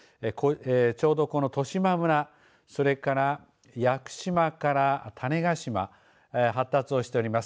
ちょうどこの十島村それから屋久島から種子島発達をしております。